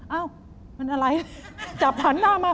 เอ้ามันอะไรจับหันหน้ามา